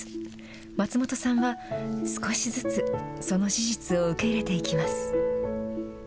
松本さんは、少しずつその事実を受け入れていきます。